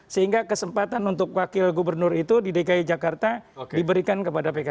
sehingga kesempatan untuk wakil gubernur itu di dki jakarta diberikan kepada pks